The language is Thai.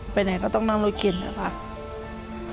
ไปไหนก็ต้องนั่งโรยเกล็ดนะครับ